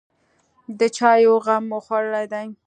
_د چايو غم مو خوړلی دی؟